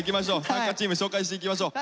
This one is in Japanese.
参加チーム紹介していきましょう。